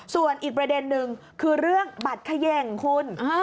ส่วนอีกประเด็นนึงคือเรื่องบัตรเขย่งคุณ